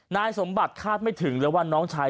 นายสมบัติคาดไม่ถึงเลยว่าน้องชาย